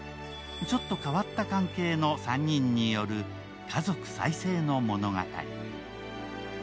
ちょっと変わった関係の３人による家族再生の物語。